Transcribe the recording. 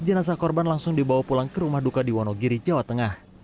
jenazah korban langsung dibawa pulang ke rumah duka di wonogiri jawa tengah